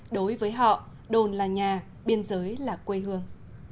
đối với họ đồn là nhà biên giới là quê hương